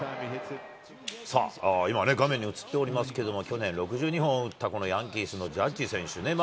今ね、画面に映っておりますけれども、去年６２本を打った、このヤンキースのジャッジ選手ね。